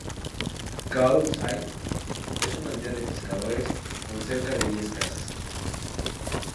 Kau Sai es una aldea de pescadores con cerca de diez casas.